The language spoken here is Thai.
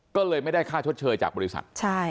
ก็เลยไม่ได้ค่าชดเชยจากบริษัท